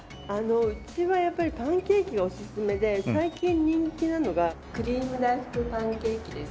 うちはやっぱりパンケーキがおすすめで最近人気なのがクリーム大福パンケーキです。